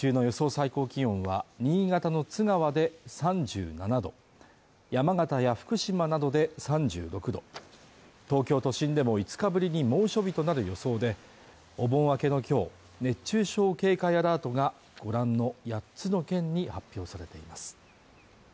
最高気温は新潟の津川で３７度山形や福島などで３６度東京都心でも５日ぶりに猛暑日となる予想でお盆明けのきょう熱中症警戒アラートがご覧の８つの県に発表されています